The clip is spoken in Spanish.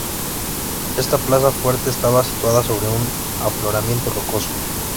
Esta plaza fuerte estaba situada sobre un afloramiento rocoso.